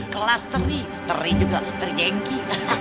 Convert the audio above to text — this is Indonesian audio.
kelas teri teri juga teri gengki